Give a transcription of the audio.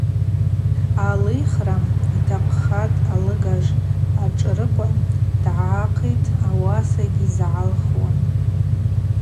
Йгӏалихра йтахъхатӏ алыгажв ашӏры́кӏва - дгӏахъитӏ, ауаса йгьйызгӏалыхуам.